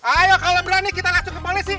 ayo kalau berani kita langsung ke polisi